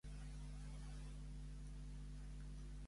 Vol que Sánchez sigui president?